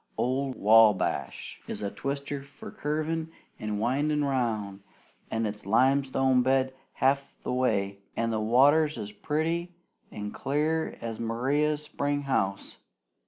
"Old Wabash is a twister for curvin' and windin' round, an' it's limestone bed half the way, an' the water's as pretty an' clear as in Maria's springhouse.